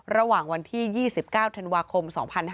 ระหว่างวันที่๒๙ธันวาคม๒๕๕๙